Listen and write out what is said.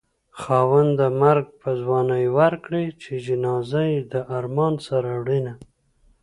خاونده مرګ په ځوانۍ ورکړې چې جنازه يې د ارمانه سره وړينه